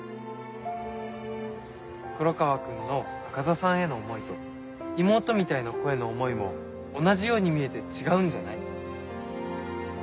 黒川君の赤座さんへの思いと妹みたいな子への思いも同じように見えて違うんじゃない？